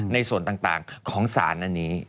ในส่วนต่างของสารอันนี้